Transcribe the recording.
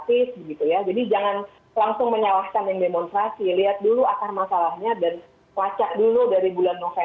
jadi jangan langsung menyalahkan yang demonstrasi